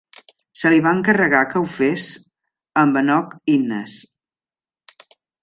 Se li va encarregar que ho fes amb Enoch Innes.